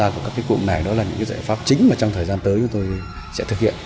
cụm này đó là những giải pháp chính mà trong thời gian tới chúng tôi sẽ thực hiện